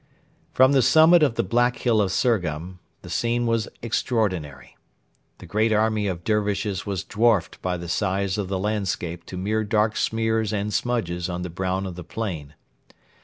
From the summit of the black hill of Surgham the scene was extraordinary. The great army of Dervishes was dwarfed by the size of the landscape to mere dark smears and smudges on the brown of the plain.